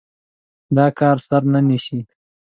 دا کار سر نه نيسي.